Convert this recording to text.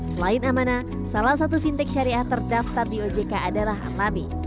selain amanah salah satu fintech syariah terdaftar di ojk adalah alami